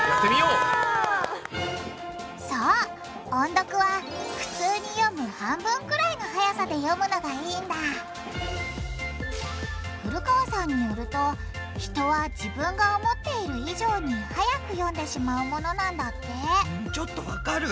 そう音読は普通に読む半分ぐらいのはやさで読むのがいいんだ古川さんによると人は自分が思っている以上にはやく読んでしまうものなんだってちょっとわかる。